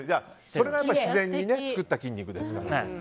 それがやっぱり自然に作った筋肉ですから。